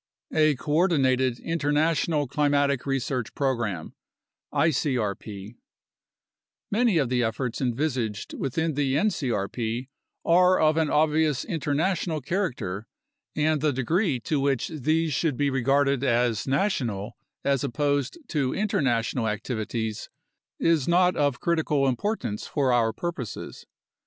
A COORDINATED INTERNATIONAL CLIMATIC RESEARCH PROGRAM (ICRP) Many of the efforts envisaged within the ncrp are of an obvious inter national character, and the degree to which these should be regarded as national as opposed to international activities is not of critical im portance for our purposes.